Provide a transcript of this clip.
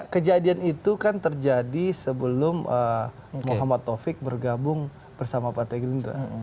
kejadian itu kan terjadi sebelum muhammad taufik bergabung bersama partai gerindra